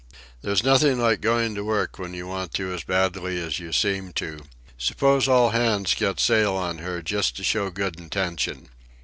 "There's nothing like going to work when you want to as badly as you seem to. Suppose all hands get sail on her just to show good intention."